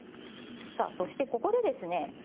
さあそしてここでですね